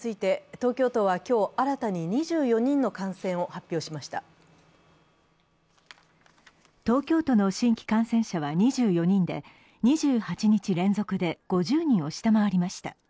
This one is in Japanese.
東京都の新規感染者は２４人で２８日連続で５０人を下回りました。